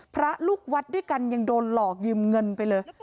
พระลูกวัดด้วยกันยังโดนหลอกยืมเงินไปเลย